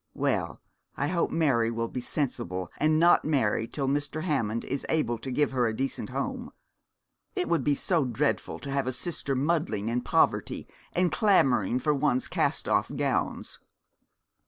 Well, I hope Mary will be sensible, and not marry till Mr. Hammond is able to give her a decent home. It would be so dreadful to have a sister muddling in poverty, and clamouring for one's cast off gowns.'